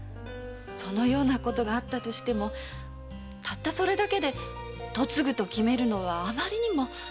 そのようなことがあったとしてもたったそれだけで嫁ぐと決めるのはあまりにも。